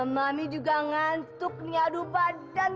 mami juga ngantuk nih aduh padahal